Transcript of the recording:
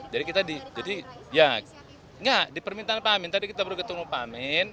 jadi kita di jadi ya ya di permintaan pak amin tadi kita berhutang ke pak amin